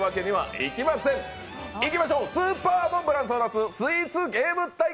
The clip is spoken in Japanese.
いきましょう、スーパーモンブラン争奪スイーツゲーム対決！